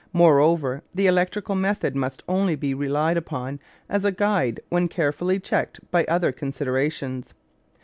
Moreover, the electrical method must only be relied upon as a guide when carefully checked by other considerations.